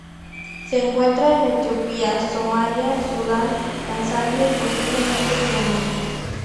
Se encuentra en Etiopía, Somalia, Sudán, Tanzania, y, posiblemente, Kenia.